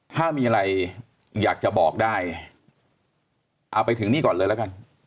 ถ้ามีอะไรอยากจะบอกได้เอาไปถึงนี่ก่อนเลยแล้วกัน